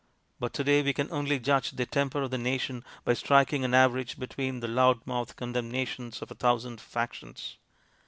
But to day we can only judge the temper of the nation by striking an average be tween the loud mouthed condemnations of a thousand factions.